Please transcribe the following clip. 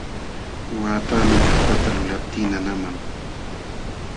Waqtaami kallpata lulaptii nanaman.